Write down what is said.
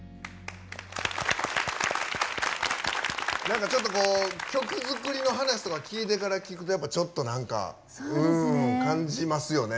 何か曲作りの話とか聞いてから聴くとやっぱちょっと何か感じますよね。